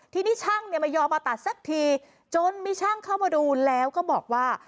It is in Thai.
ทีนี้ช่างเนี่ยไม่ยอมมาตัดสักทีจนมีช่างเข้ามาดูแล้วก็บอกว่า